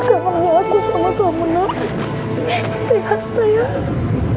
anak cantik sehat enggak